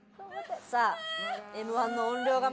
さあ。